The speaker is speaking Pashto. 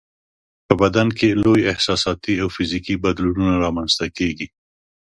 په بدن کې یې لوی احساساتي او فزیکي بدلونونه رامنځته کیږي.